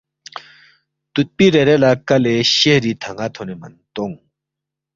تُوتپی ریرے لہ کلے شہری تھن٘ا تھونے من تونگ